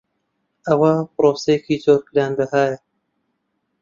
ئەوە پرۆسەیەکی زۆر گرانبەهایە.